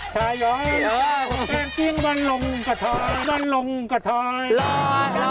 ชาย้อนแกล้งเตียงวันรองกระท้อย